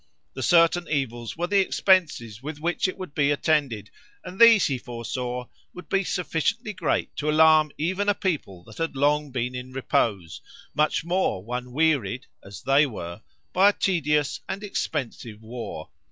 The certain evils were the expenses with which it would be attended; and these, he foresaw, would be sufficiently great to alarm even a people that had long been in repose, much more one wearied, as they were, by a tedious and expensive war.